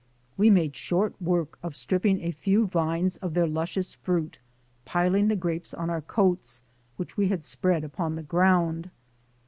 We made short work of strip ping a few vines of their luscious fruit, piling the grapes on our coats, which we had spread upon the ground.